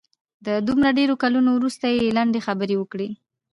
د دومره ډېرو کلونو وروسته یې لنډې خبرې وکړې.